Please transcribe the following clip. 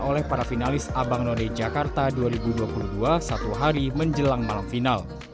oleh para finalis abang none jakarta dua ribu dua puluh dua satu hari menjelang malam final